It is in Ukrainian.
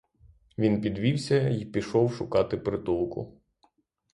Він підвівся й пішов шукати притулку.